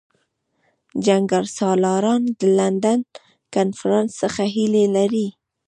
جنګسالاران د لندن کنفرانس څخه هیلې لري.